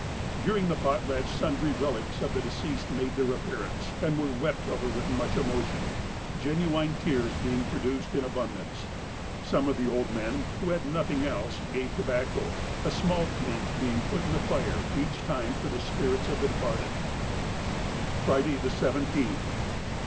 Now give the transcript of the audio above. During the potlatch sundry relics of the deceased made their appearance, and were wept over with much emotion, genuine tears being produced in abundance. Some of the old men, who had nothing else, gave tobacco, a small pinch being put in the fire each time for the spirits of the departed. _Friday, the 17th.